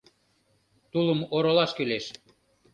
— Тулым оролаш кӱлеш...